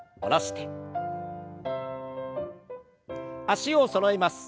脚をそろえます。